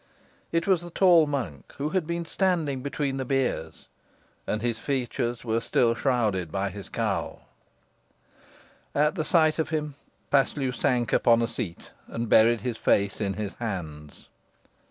It was the tall monk, who had been standing between the biers, and his features were still shrouded by his cowl. At sight of him, Paslew sank upon a seat and buried his face in his hands.